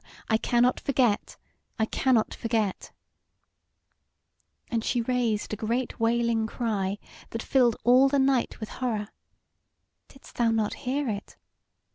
I cannot forget; I cannot forget;' and she raised a great wailing cry that filled all the night with horror (didst thou not hear it?)